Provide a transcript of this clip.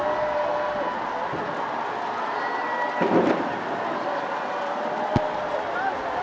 ศาสนาจารย์ด๊อตเตอร์ธรีสังมณัชวัฒน์โรธกับนักศึกษัตริย์